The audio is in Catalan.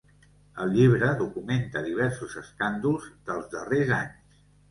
El llibre documenta diversos escàndols dels darreres anys.